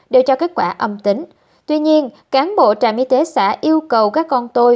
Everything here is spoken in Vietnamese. đều cho kết quả âm tính tuy nhiên cán bộ trạm y tế xã yêu cầu các con tôi